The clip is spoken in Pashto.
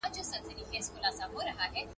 ایا مطالعه په ژوند کې بدلون راولي؟